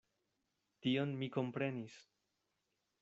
Tion mi komprenis.